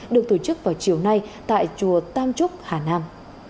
được tổ chức vào chiều nay tại chùa tam trúc hà nam